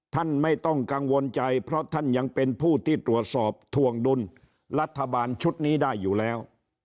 ท่านไม่ต้องกังวลใจเพราะท่านยังเป็นผู้ที่ตรวจสอบถวงดุลรัฐบาลชุดนี้ได้อยู่แล้ว